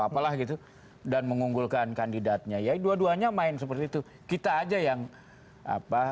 apalah gitu dan mengunggulkan kandidatnya ya dua duanya main seperti itu kita aja yang apa